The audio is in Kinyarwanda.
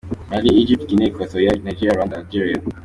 Mali, Egypt, Guinee equatoriale, Nigeria, Rwanda, Algeria.